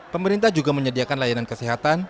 pemerintah juga menyediakan layanan kesehatan